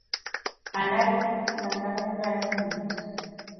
Hala ere, markagailua ez zen mugitu.